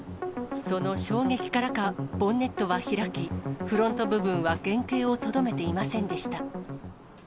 その衝撃からか、ボンネットは開き、フロント部分は原形をとどめていませんでした。